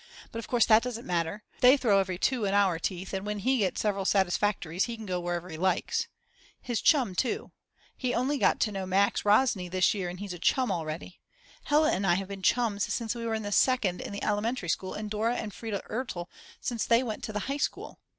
But of course that doesn't matter. They throw every 2 in our teeth and when he gets several Satisfactories he can go wherever he likes. His chum too; he only got to know Max Rozny this year and he's a chum already. Hella and I have been chums since we were in the second in the elementary school and Dora and Frieda Ertl since they went to the High School.